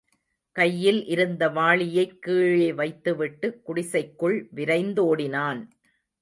கையில் இருந்த வாளியைக் கீழே வைத்துவிட்டு குடிசைக்குள் விரைந்தோடினான்.